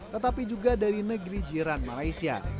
tetapi juga dari negeri jiran malaysia